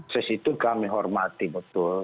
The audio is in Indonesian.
sesitu kami hormati betul